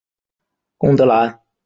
贡德兰。